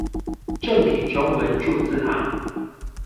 正體中文鑄字行